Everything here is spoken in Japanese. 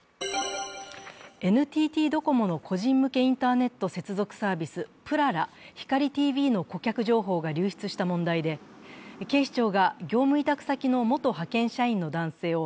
ＮＴＴドコモの個人向けインターネット接続サービス、ぷらら、ひかりＴＶの顧客情報が流出した問題で、警視庁が業務委託先の元派遣社員の男性を